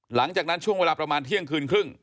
หลังจากนั้นช่วงเวลาประมาณเที่ยงคืนครึ่ง